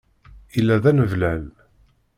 Yella d aneblal.